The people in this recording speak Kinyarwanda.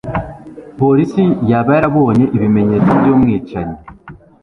Polisi yaba yarabonye ibimenyetso byumwicanyi?